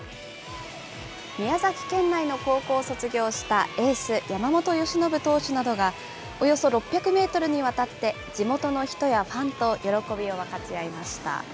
宮崎県内の高校を卒業したエース、山本由伸投手などが、およそ６００メートルにわたって、地元の人やファンと喜びを分かち合いました。